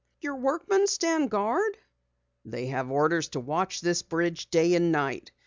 "Your workmen stand guard?" "They have orders to watch this bridge day and night.